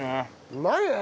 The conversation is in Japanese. うまいね！